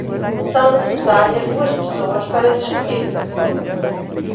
São necessárias duas pessoas para discutir.